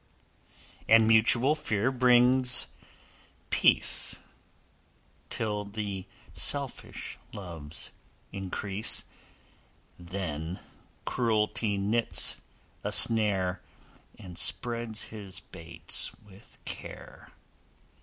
And mutual fear brings Peace, Till the selfish loves increase; Then Cruelty knits a snare, And spreads his baits with care.